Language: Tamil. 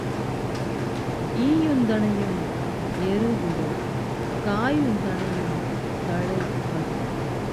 ஈயுந்தனையும் எரு விடு காயுந்தனையும் களை பறி.